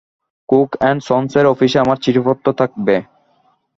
Cook and সন্সের অফিসে আমার চিঠিপত্র থাকবে।